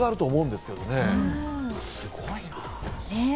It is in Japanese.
すごいな。